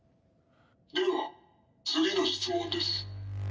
では次の質問です。